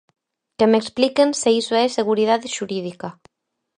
Que me expliquen se iso é seguridade xurídica.